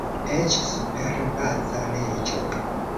Eĉ super Baza Leĝo!